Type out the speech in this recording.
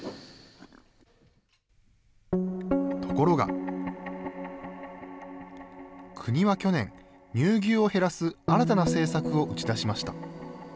ところが、国は去年、乳牛を減らす新たな政策を打ち出しました。